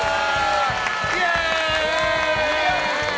イエーイ！